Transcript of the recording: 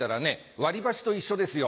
割り箸と一緒ですよ。